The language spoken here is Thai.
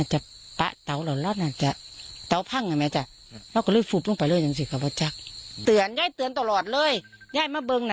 เห็นรอก่อนนะ